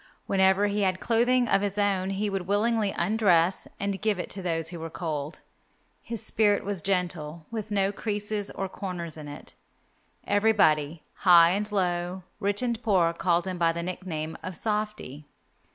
Whenever he had clothing of his own he would willingly undress and give it to those who were cold. His spirit was gentle with no creases or corners in it. Everybody, high and low, rich and poor, called him by the nickname of Softy.